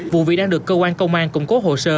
vụ việc đang được cơ quan công an củng cố hồ sơ